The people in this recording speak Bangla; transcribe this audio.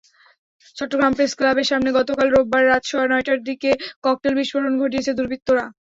চট্টগ্রাম প্রেসক্লাবের সামনে গতকাল রোববার রাত সোয়া নয়টার দিকে ককটেল বিস্ফোরণ ঘটিয়েছে দুর্বৃত্তরা।